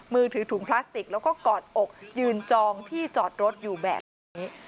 มือถือถุงพลาสติกแล้วก็กอดอกยืนจองที่จอดรถอยู่แบบนี้